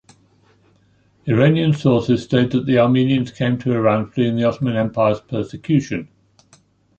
Iranian sources state that the Armenians came to Iran fleeing the Ottoman Empire's persecution.